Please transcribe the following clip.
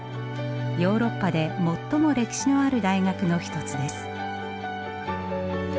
ヨーロッパで最も歴史のある大学の一つです。